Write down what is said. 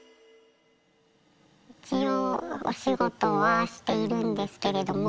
一応お仕事はしているんですけれども。